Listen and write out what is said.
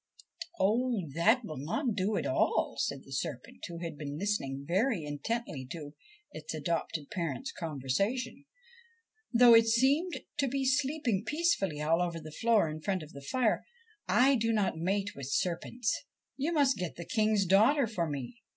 'Oh, that will not do at all,' said the serpent, who had been listening very intently to its adopted parents' conversation, though E 33 THE SERPENT PRINCE it seemed to be sleeping peacefully all over the floor in front of the fire. ' I do not mate with serpents. You must get the King's daughter for me.